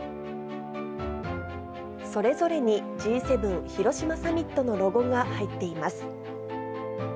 それぞれにＧ７広島サミットのロゴが入っています。